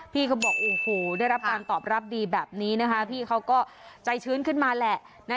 พี่เขาบอกโอ้โหได้รับการตอบรับดีแบบนี้นะคะพี่เขาก็ใจชื้นขึ้นมาแหละนะ